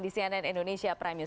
di cnn indonesia prime news